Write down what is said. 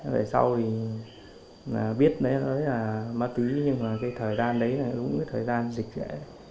về sau thì biết đấy là ma túy nhưng mà cái thời gian đấy là đúng cái thời gian dịch dễ